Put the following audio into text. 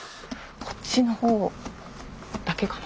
こっちのほうだけかな。